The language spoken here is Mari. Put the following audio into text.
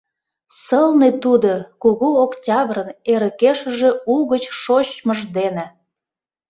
Сылне тудо Кугу Октябрьын эрыкешыже угыч шочмыж дене!